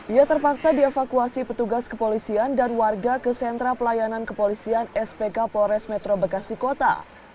ia terpaksa dievakuasi petugas kepolisian dan warga ke sentra pelayanan kepolisian spk polres metro bekasi kota